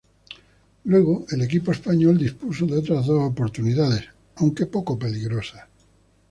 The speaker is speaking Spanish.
Luego el equipo español dispuso de otras dos oportunidades, aunque poco peligrosas.